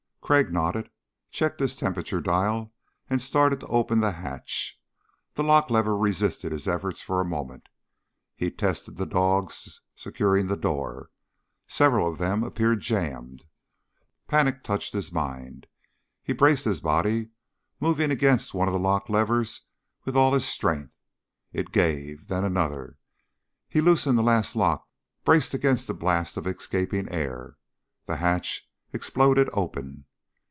Crag nodded, checked his temperature dial and started to open the hatch. The lock lever resisted his efforts for a moment. He tested the dogs securing the door. Several of them appeared jammed. Panic touched his mind. He braced his body, moving against one of the lock levers with all his strength. It gave, then another. He loosened the last lock braced against the blast of escaping air. The hatch exploded open.